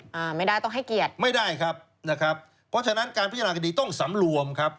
อ่าไม่ได้ต้องให้เกียรติไม่ได้ครับนะครับเพราะฉะนั้นการพิจารณาคดีต้องสำรวมครับ